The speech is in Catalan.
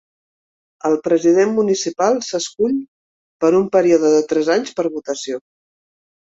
El president municipal s'escull per a un període de tres anys per votació.